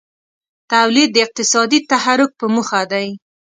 تولید د اقتصادي تحرک په موخه دی.